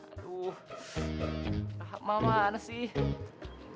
aduh rahapnya mana sih